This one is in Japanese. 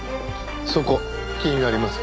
そこ気になりますか？